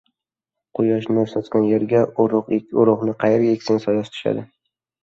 • Quyosh nur sochgan yerga ― urug‘ ek, urug‘ni qayerga eksang ― soyasi tushadi.